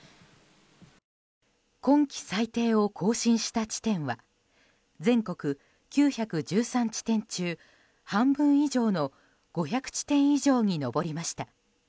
今季最低を更新した地点は全国９１３地点中、半分以上の５００地点以上に上りました。